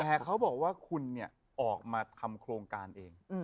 แต่เขาบอกว่าคุณเนี่ยออกมาทำโครงการเอง